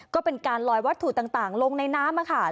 ก็เป็นการลอยวัตถุต่างลงในน้ำค่ะ